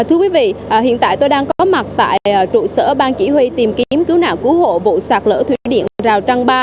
thưa quý vị hiện tại tôi đang có mặt tại trụ sở ban chỉ huy tìm kiếm cứu nạn cứu hộ vụ sạt lỡ thủy điện rào trăng ba